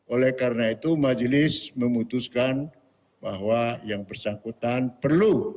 oleh karena itu majelis memutuskan bahwa yang bersangkutan perlu